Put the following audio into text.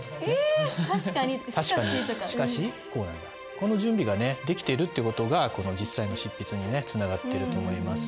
この準備がねできているって事がこの実際の執筆にねつながってると思います。